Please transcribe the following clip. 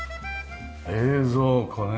冷蔵庫ね。